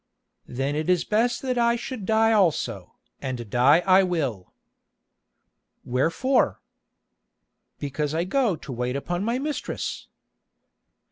"Then it is best that I should die also, and die I will." "Wherefore?" "Because I go to wait upon my mistress."